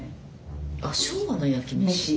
あっ「昭和の焼き飯」。